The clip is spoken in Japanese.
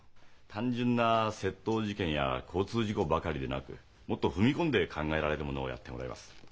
単純な窃盗事件や交通事故ばかりでなくもっと踏み込んで考えられるものをやってもらいます。